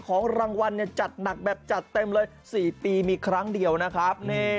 ของรางวัลจัดหนักแบบจัดเต็มเลย๔ปีมีครั้งเดียวนะครับ